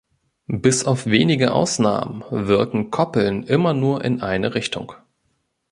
Bis auf wenige Ausnahmen wirken Koppeln immer nur in eine Richtung.